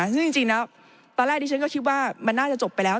ซึ่งจริงแล้วตอนแรกที่ฉันก็คิดว่ามันน่าจะจบไปแล้ว